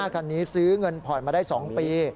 คันนี้ซื้อเงินผ่อนมาได้๒ปี